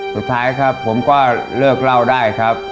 สุดท้ายครับผมก็เลิกเล่าได้ครับ